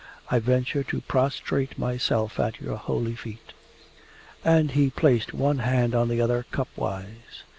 I venture to prostrate myself at your holy feet.' And he placed one hand on the other, cup wise.